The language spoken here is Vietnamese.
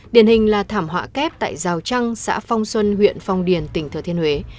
điển hình là thảm họa kép tại rào trăng xã phong xuân huyện phong điền tỉnh thừa thiên huế